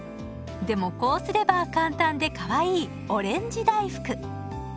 でもこうすれば簡単でかわいいオレンジ大福。